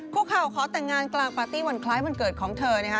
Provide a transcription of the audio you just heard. ข่าวขอแต่งงานกลางปาร์ตี้วันคล้ายวันเกิดของเธอนะคะ